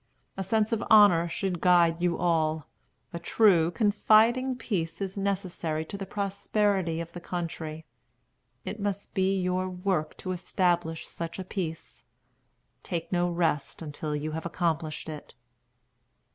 A sense of honor should guide you all. A true, confiding peace is necessary to the prosperity of the country. It must be your work to establish such a peace. Take no rest until you have accomplished it."